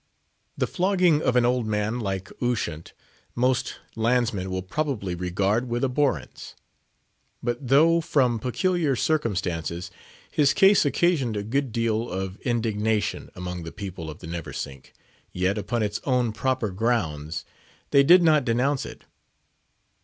The flogging of an old man like Ushant, most landsmen will probably regard with abhorrence. But though, from peculiar circumstances, his case occasioned a good deal of indignation among the people of the Neversink, yet, upon its own proper grounds, they did not denounce it.